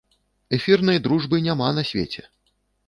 Эфірнай дружбы няма на свеце!